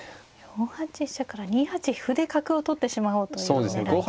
４八飛車から２八歩で角を取ってしまおうという狙いですか。